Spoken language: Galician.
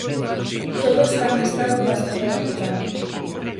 Todo está en estado bastante lamentable.